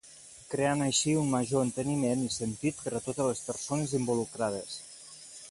Creant així un major enteniment i sentit per a totes les persones involucrades.